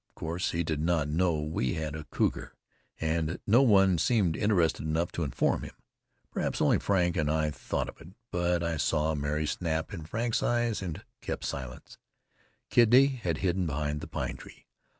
Of course he did not know we had a cougar, and no one seemed interested enough to inform him. Perhaps only Frank and I thought of it; but I saw a merry snap in Frank's eyes, and kept silent. Kitty had hidden behind the pine tree.